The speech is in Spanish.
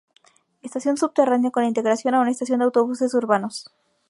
Estación subterránea con integración a una estación de autobuses urbanos.